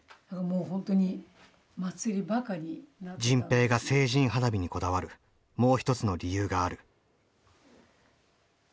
迅平が成人花火にこだわるもう一つの理由がある。